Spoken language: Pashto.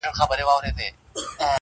پرون د جنوري پر یوولسمه -